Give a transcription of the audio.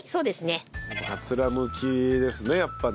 桂むきですねやっぱね。